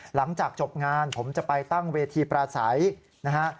หลังจากจบงานผมจะไปตั้งเวทีปราศัยนะฮะ